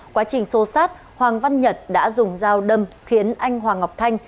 quá trình xô sát hoàng văn nhật đã dùng dao đâm khiến anh hoàng ngọc thanh